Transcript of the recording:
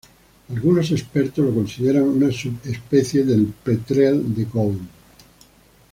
Algunos expertos lo consideran una subespecie del petrel de Gould.